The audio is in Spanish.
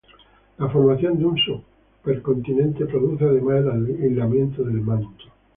La formación de un supercontinente produce además el aislamiento del manto.